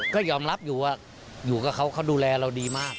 ก็ยอมรับอยู่ว่าอยู่กับเขาเขาดูแลเราดีมาก